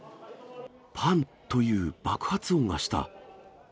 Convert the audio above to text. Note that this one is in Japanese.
ぱんという爆発音がした。